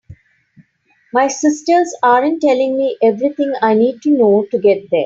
My sisters aren’t telling me everything I need to know to get there.